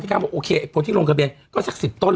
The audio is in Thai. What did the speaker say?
อืมอืมอืมอืมอืม